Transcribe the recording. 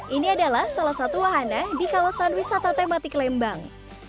ini adalah salah satu wahana di kawasan wisata tematik lembang